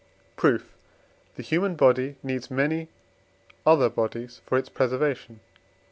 Proof. The human body needs many other bodies for its preservation (II.